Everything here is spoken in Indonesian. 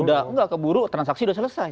udah nggak keburu transaksi udah selesai